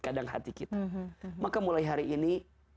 kadang hati kita maka mulai hari ini